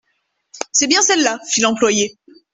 C'est bien celle-là, fit l'employé.